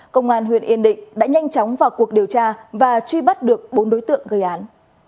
công an huyện yên định đã nhanh chóng vào cuộc điều tra và truy bắt được bốn đối tượng gây án